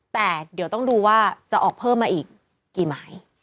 แต่เดี๋ยวต้องดูว่าจะออกเพิ่มมาอีกกี่หมาย